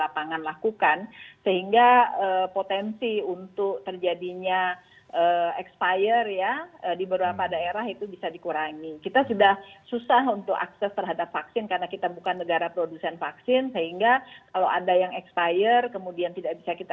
apakah khususnya kepada responden yang bersedia di vaksin